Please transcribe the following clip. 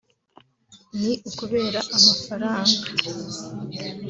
ni ukubera amafaranga